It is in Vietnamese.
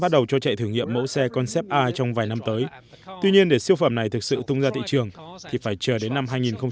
tuy nhiên để siêu phẩm này thực sự tung ra thị trường thì phải chờ đến năm hai nghìn ba mươi